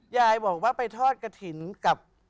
ยายบอกว่าไปทอดกระถิ่นกับ